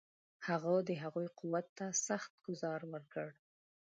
هغه د هغوی قوت ته سخت ګوزار ورکړ.